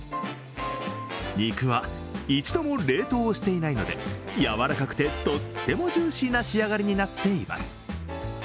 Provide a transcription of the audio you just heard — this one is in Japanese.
肉は一度も冷凍をしていないので柔らかくてとってもジューシーな仕上がりになっています。